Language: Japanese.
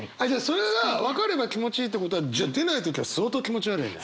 それが分かれば気持ちいいってことはじゃあ出ない時は相当気持ち悪いね。